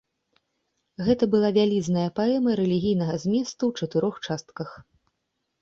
Гэта была вялізная паэма рэлігійнага зместу ў чатырох частках.